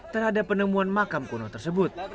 terhadap penemuan makam kuno tersebut